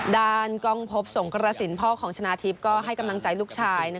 ด้านกล้องพบสงกระสินพ่อของชนะทิพย์ก็ให้กำลังใจลูกชาย